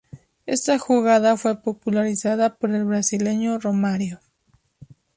Esta jugada fue popularizada por el brasileño Romário.